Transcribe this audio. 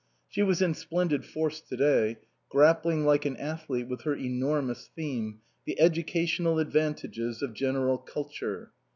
She was in splendid force to day, grappling like an athlete with her enormous theme "The Educational Advantages of General Culture."